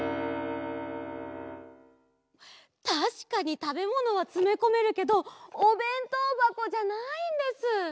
たしかにたべものはつめこめるけどおべんとうばこじゃないんです。